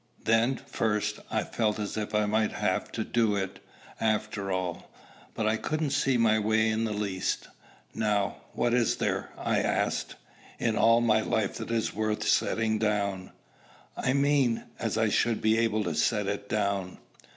Then first I felt as if I might have to do it, after all. But I couldn't see my way in the least. "Now, what is there," I asked, "in all my life that is worth setting down, I mean, as I should be able to set it down?"